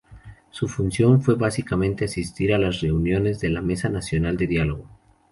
Su función fue básicamente asistir a las reuniones de la 'Mesa Nacional de Diálogo'.